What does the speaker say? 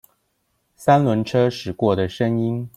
三輪車駛過的聲音